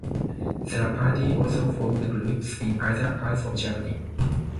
The party also formed groups in other parts of Germany.